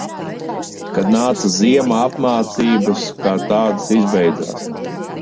Kad nāca ziema, apmācības, kā tādas, izbeidzās.